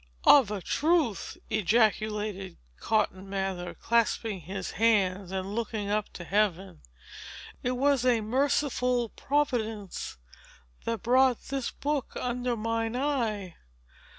"Of a truth," ejaculated Cotton Mather, clasping his hands and looking up to Heaven, "it was a merciful Providence that brought this book under mine eye!